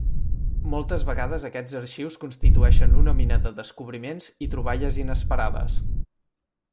Moltes vegades aquests arxius constitueixen una mina de descobriments i troballes inesperades.